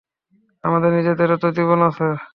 আমাদের নিজেদেরও তো জীবন আছে।